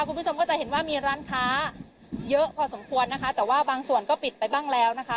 คุณผู้ชมก็จะเห็นว่ามีร้านค้าเยอะพอสมควรนะคะแต่ว่าบางส่วนก็ปิดไปบ้างแล้วนะคะ